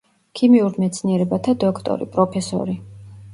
ქიმიურ მეცნიერებათა დოქტორი, პროფესორი.